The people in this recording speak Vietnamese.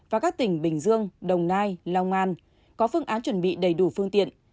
và các tỉnh bình dương đồng nai long an có phương án chuẩn bị đầy đủ phương tiện